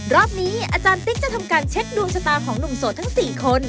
รอบนี้อาจารย์ติ๊กจะทำการเช็คดวงชะตาของหนุ่มโสดทั้ง๔คน